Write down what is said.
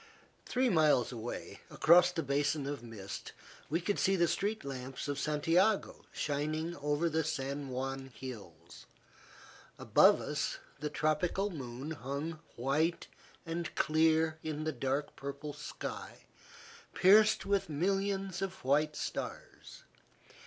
Three miles away, across the basin of mist, we could see the street lamps of Santiago shining over the San Juan hills. Above us, the tropical moon hung white and clear in the dark purple sky, pierced with millions of white stars.